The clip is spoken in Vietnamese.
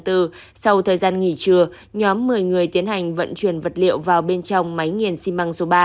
sau thời gian nghỉ trưa nhóm một mươi người tiến hành vận chuyển vật liệu vào bên trong máy nghiền xi măng số ba